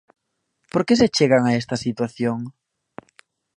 Por que se chegan a esta situación?